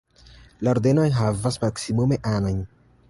La Ordeno enhavas maksimume anojn.